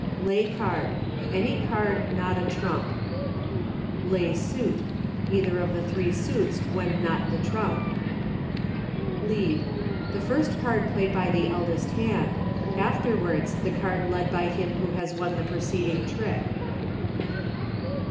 Lay Card. Any card not a trump. Lay Suit. Either of the three suits when not the trump. Lead. The card first played by the eldest hand; afterwards the card led by him who has won the preceding trick.